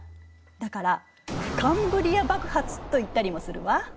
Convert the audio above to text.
だからカンブリア爆発と言ったりもするわ。